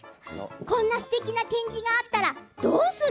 こんなすてきな展示があったらどうする？